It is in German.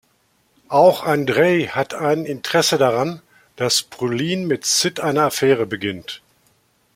Auch Andrei hat ein Interesse daran, dass Pauline mit Sid eine Affäre beginnt.